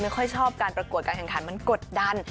จริงแค่ชอบกันประกวดกันขันมันกดดัน